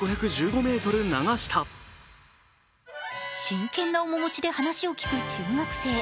真剣な面持ちで話を聞く中学生。